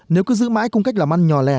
nếu cứ giữ mãi cung cách làm ăn nhỏ lẻ